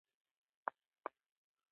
دښتې د اوږدمهاله پایښت لپاره مهمې دي.